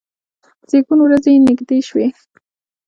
د زیږون ورځې یې نږدې شوې.